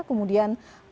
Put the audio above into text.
kemudian apa ideologinya